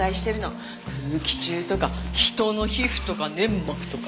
空気中とか人の皮膚とか粘膜とか。